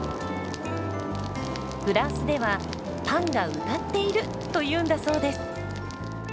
フランスでは「パンが歌っている！」というんだそうです。